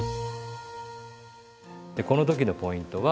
でこの時のポイントは。